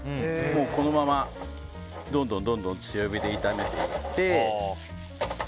このまま、どんどん強火で炒めていって。